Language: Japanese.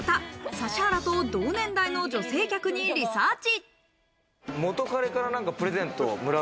指原と同年代の女性客にリサーチ。